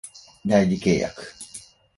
代理契約